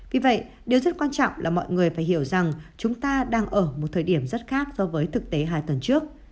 vì vậy điều rất quan trọng là mọi người phải hiểu rằng chúng ta đang ở một thời điểm rất khác so với thực tế hai tuần trước